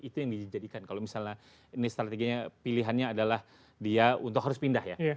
itu yang dijadikan kalau misalnya ini strateginya pilihannya adalah dia untuk harus pindah ya